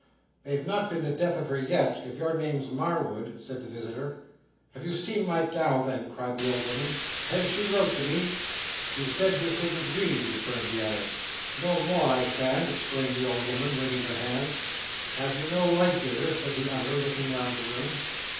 "They've not been the death of her yet, if your name's Marwood," said the visitor. "Have you seen my gal, then?" cried the old woman. "Has she wrote to me?" "She said you couldn't read," returned the other. "No more I can!" exclaimed the old woman, wringing her hands. "Have you no light here?" said the other, looking round the room.